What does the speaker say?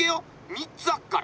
３つあっから。